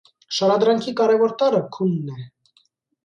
Շարադրանքի կարևոր տարրը քունն է։